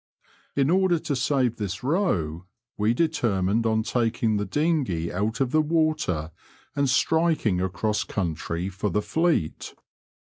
In order to save this row, we determined on taking the dinghey out of the water and striking across country for the Fleet.